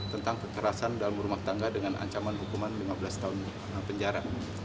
tentang kekerasan dalam rumah tangga dengan ancaman hukuman lima belas tahun penjara